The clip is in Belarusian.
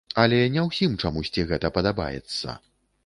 Але не ўсім чамусьці гэта падабаецца.